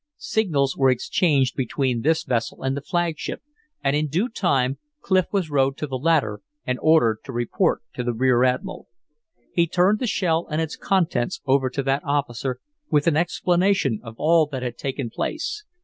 Signals were exchanged between this vessel and the flagship, and in due time Clif was rowed to the latter and ordered to report to the rear admiral. He turned the shell and its contents over to that officer with an explanation of all that had taken place.